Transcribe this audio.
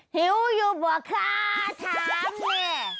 หิวอยู่บ่าคะถามเนี่ย